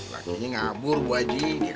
lakinya ngabur bu aji